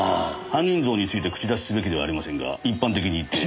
犯人像について口出しすべきではありませんが一般的に言って。